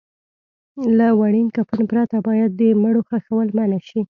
له وړین کفن پرته باید د مړو خښول منع شي.